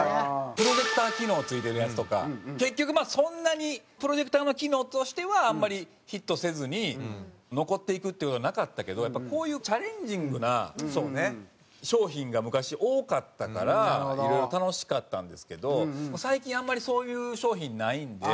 プロジェクター機能付いてるやつとか結局そんなにプロジェクターの機能としてはあんまりヒットせずに残っていくっていう事はなかったけどやっぱこういうチャレンジングな商品が昔多かったからいろいろ楽しかったんですけど最近あんまりそういう商品ないんで。